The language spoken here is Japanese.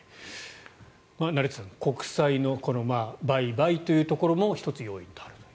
成田さん国債の売買というところも１つ、要因としてあると。